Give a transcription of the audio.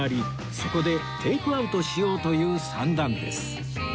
そこでテイクアウトしようという算段です